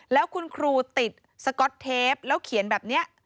แล้วคุณครูติดสก๊อตเทปแล้วเขียนแบบนี้